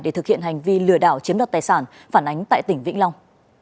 để thực hiện hành vi lừa đảo chiếm đoạt tài sản phản ánh tại tỉnh vĩnh long